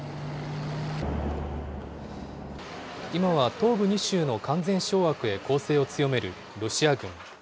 今は東部２州の完全掌握へ攻勢を強めるロシア軍。